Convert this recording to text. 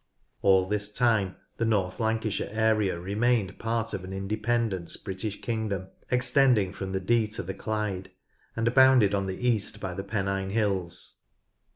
All this time the North Lancashire area remained part of an independent British kingdom extending from the Dee to the Clyde, and bounded on the east by the Pennine Hills.